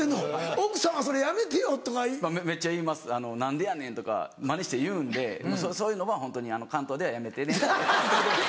奥さんは「それやめてよ」とか。めっちゃ言います「何でやねん」とかマネして言うんで「そういうのはホントに関東ではやめてね」。